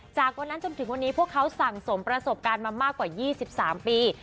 จากวันนั้นจนถึงวันนี้พวกเขาสั่งสมประสบการณ์มามากกว่า๒๓ปี